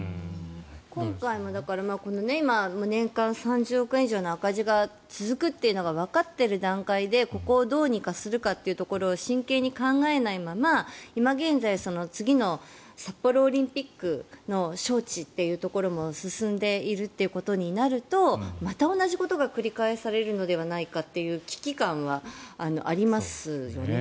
今回も年間３０億円以上の赤字が続くっていうのがわかっている段階でここをどうにかするというところを真剣に考えないまま今現在、次の札幌オリンピックの招致っていうところも進んでいるということになるとまた同じことが繰り返されるのではないかという危機感はありますよね。